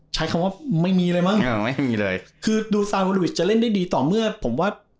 ใช้คำว่าไม่มีเลยมั้งอ่าไม่มีเลยคือดูสไตลุวิตจะเล่นได้ดีต่อเมื่อผมว่า